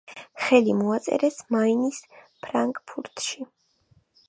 ხელი მოაწერეს მაინის ფრანკფურტში.